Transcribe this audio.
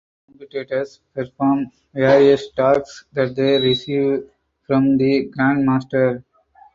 Competitors perform various tasks that they receive from the Grand Master.